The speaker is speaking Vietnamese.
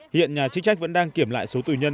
hiện nhà chức trách vẫn đang kiểm lại số tù nhân